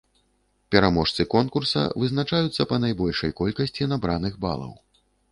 Пераможцы конкурса вызначаюцца па найбольшай колькасці набраных балаў.